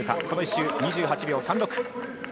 この１周２８秒３６。